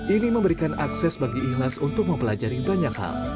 ini memberikan akses bagi ikhlas untuk mempelajari banyak hal